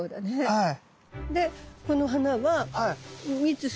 はい。